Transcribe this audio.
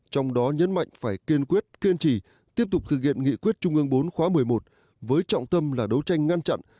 trong đó nhấn mạnh phải kiên quyết kiên trì tiếp tục thực hiện nghị quyết trung ương bốn khóa một mươi một với trọng tâm là đấu tranh ngăn chặn